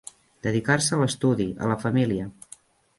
Dedicar-se a l'estudi, a la família.